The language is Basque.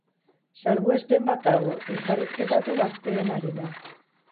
Salbuespen bat dago, elkarrizketatu gazteenarena.